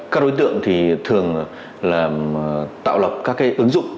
các đối tượng thường tạo lập các ứng dụng